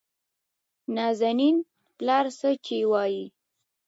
نازنين : پلاره څه چې وايې؟